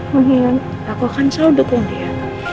mungkin aku akan selalu dukung dia